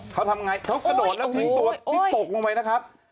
เขาทำไงเขากระโดดแล้วทิ้งตัวที่ตกลงไปนะครับ